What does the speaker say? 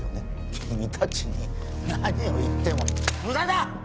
君達に何を言っても無駄だ！